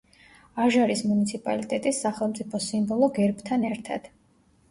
აჟარის მუნიციპალიტეტის სახელმწიფო სიმბოლო გერბთან ერთად.